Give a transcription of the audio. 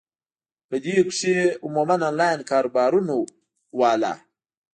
پۀ دې کښې عموماً انلائن کاروبارونو واله ،